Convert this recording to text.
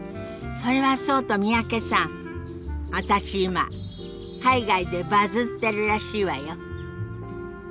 それはそうと三宅さん私今海外でバズってるらしいわよ。